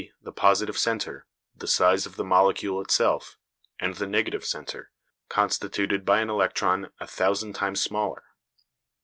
_ the positive centre, the size of the molecule itself, and the negative centre, constituted by an electron a thousand times smaller.